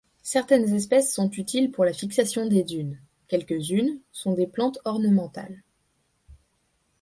Certaines espèces sont utiles pour la fixation des dunes, quelques-unes sont des plantes ornementales.